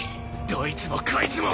どいつもこいつも！